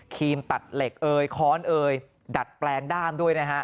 ตัดเหล็กเอยค้อนเอยดัดแปลงด้ามด้วยนะฮะ